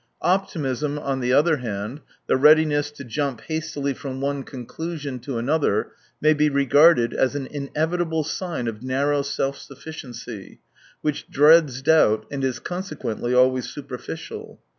Optimism, on the other hand, the readiness to jump hastily from one conclusion to another, may be regarded as an inevitable sign of narrow self sufficiency, which dreads doubt and is consequently always superficial.